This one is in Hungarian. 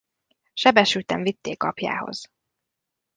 Sebesülten vitték apjához.